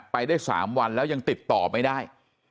ไปได้๓วันแล้วยังติดต่อไม่ได้